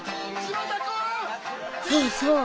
そうそう。